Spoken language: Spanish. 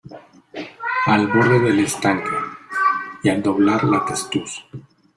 Al borde del estanque, y al doblar la testuz.